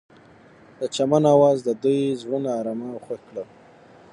د چمن اواز د دوی زړونه ارامه او خوښ کړل.